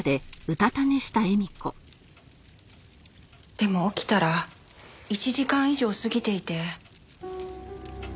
でも起きたら１時間以上過ぎていて。